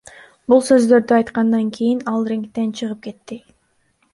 Бул сөздөрдү айткандан кийин ал рингден чыгып кеткен.